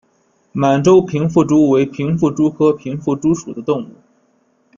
满洲平腹蛛为平腹蛛科平腹蛛属的动物。